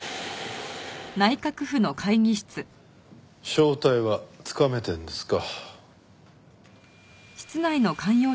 正体はつかめてるんですか？